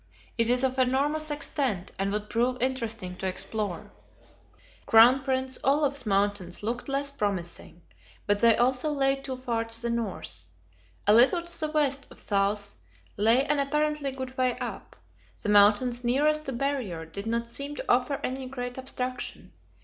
It is of enormous extent, and would prove interesting to explore. Crown Prince Olav's Mountains looked less promising, but they also lay too far to the north. A little to the west of south lay an apparently good way up. The mountains nearest to the Barrier did not seem to offer any great obstruction.